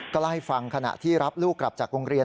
ก็เล่าให้ฟังขณะที่รับลูกกลับจากโรงเรียน